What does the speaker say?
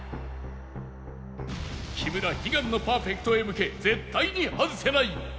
木村悲願のパーフェクトへ向け絶対に外せない